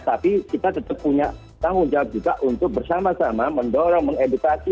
tapi kita tetap punya tanggung jawab juga untuk bersama sama mendorong mengedukasi